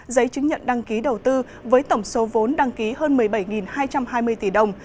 giấy chứng nhận đăng ký đầu tư với tổng số vốn đăng ký hơn một mươi bảy hai trăm hai mươi tỷ đồng